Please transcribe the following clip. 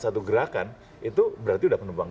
satu gerakan itu berarti udah penumpang